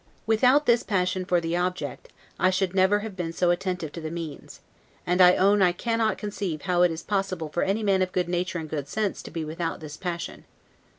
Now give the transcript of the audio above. Without this passion for the object, I should never have been so attentive to the means; and I own I cannot conceive how it is possible for any man of good nature and good sense to be without this passion.